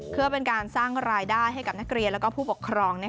เพื่อเป็นการสร้างรายได้ให้กับนักเรียนและผู้ปกครอง